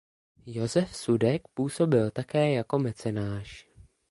Josef Sudek působil také jako mecenáš.